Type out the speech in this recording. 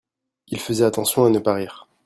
Il faisait attention à ne pas rire.